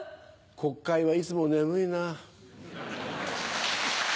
国会はいつも眠いな。